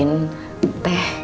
ini buat mama